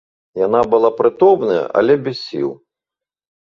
Яна была прытомная, але без сіл.